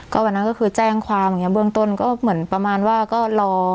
วันนั้นก็คือแจ้งความอย่างนี้เบื้องต้นก็เหมือนประมาณว่าก็รอ